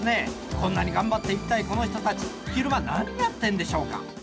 こんなに頑張って一体、この人たち、昼間、何やってるんでしょうか？